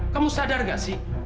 kamu sadar gak sih